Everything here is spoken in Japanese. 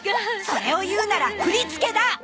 それを言うなら振り付けだ！